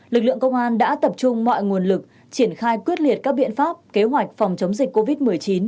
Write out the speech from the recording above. lực lượng công an đã tập trung mọi nguồn lực triển khai quyết liệt các biện pháp kế hoạch phòng chống dịch covid một mươi chín